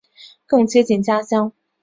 更接近家乡